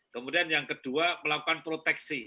kemudian yang kedua melakukan proteksi